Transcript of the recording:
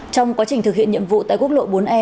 trong quá trình thực hiện nhiệm vụ tại quốc lộ bốn e